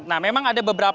nah memang ada beberapa